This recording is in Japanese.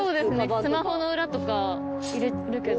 スマホの裏とか入れるけど。